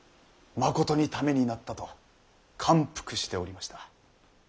まことにためになったと感服しておりました。